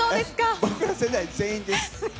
僕ら世代全員です。